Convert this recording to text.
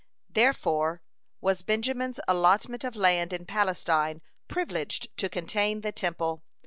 Therefore was Benjamin's allotment of land in Palestine privileged to contain the Temple.